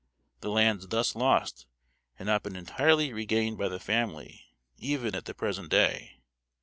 The lands thus lost had not been entirely regained by the family even at the present day.